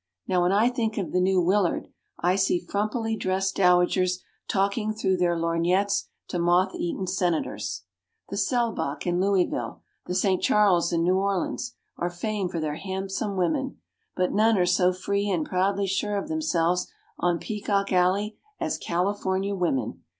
Now when I think of the New Willard, I see frumpily dressed dowagers talking through their lorgnettes to moth eaten senators. The Selbach in Louisville, the St. Charles in New Orleans are famed for their handsome women, but none are so free and proudly sure of themselves on peacock alley as California women.